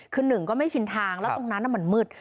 คือ๑ก็ไม่ชินทางแล้วตรงนั้นน่ะมันมืด